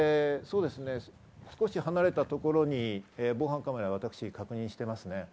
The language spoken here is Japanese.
少し離れたところに防犯カメラは私、確認しています。